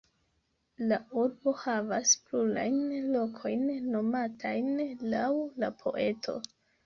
La urbo havas plurajn lokojn nomatajn laŭ la poeto.